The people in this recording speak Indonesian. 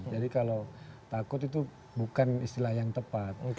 jadi kalau takut itu bukan istilah yang tepat